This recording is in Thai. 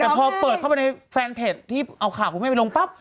แต่พอเปิดเข้าไปในแฟนเพจที่เอาข่าวคุณแม่ไปลงปั๊บ